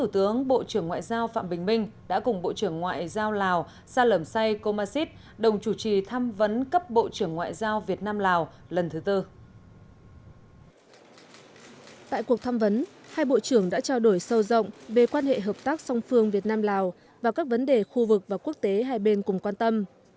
tại cuộc thăm vấn hai bộ trưởng đã trao đổi sâu rộng về quan hệ hợp tác song phương việt nam lào và các vấn đề khu vực và quốc tế hai bên cùng quan tâm